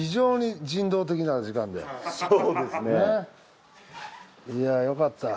そうですね。ねぇ。いやよかった。